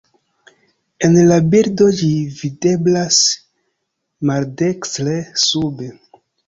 En la bildo ĝi videblas maldekstre sube.